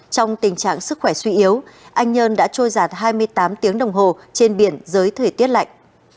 trong tình trạng sức khỏe suy yếu anh nhân đã trôi giạt hai mươi tám tiếng đồng hồ trên biển dưới thời tiết lạnh